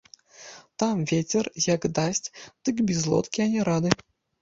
Там вецер, як дасць, дык без лодкі ані рады!